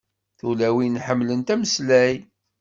Tulawin ḥemmlent ameslay.